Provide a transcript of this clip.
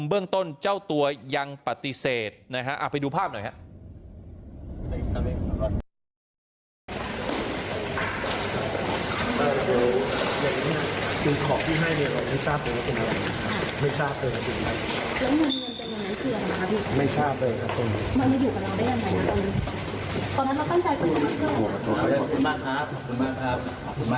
เบื้องต้นเจ้าตัวยังปฏิเสธนะฮะไปดูภาพหน่อยครับ